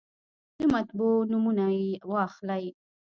د مطبعو نومونه یې واخلئ.